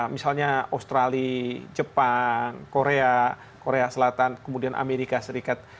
misalnya australia jepang korea korea selatan kemudian amerika serikat